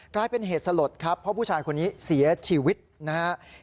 กลายเป็นเหตุสลดครับเพราะผู้ชายคนนี้เสียชีวิตนะครับ